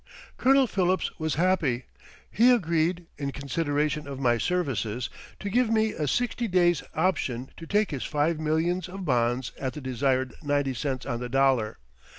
Colonel Phillips was happy. He agreed, in consideration of my services, to give me a sixty days option to take his five millions of bonds at the desired ninety cents on the dollar.